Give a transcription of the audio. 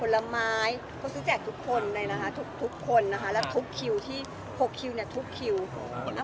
แล้วล่าสุดคือเมื่อวานอ้ำก็เลยแบบว่า